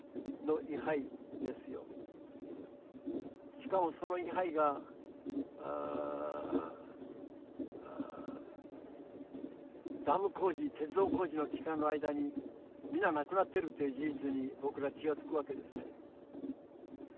しかもその位牌がダム工事鉄道工事の期間の間に皆亡くなってるという事実に僕ら気が付くわけですね。